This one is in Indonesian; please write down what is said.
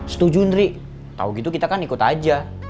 setuju ndri tau gitu kita kan ikut aja